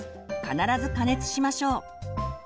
必ず加熱しましょう。